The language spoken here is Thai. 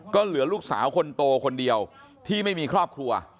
ก็เหลือลูกสาวคนโตคนเดียวที่ไม่มีครอบครัว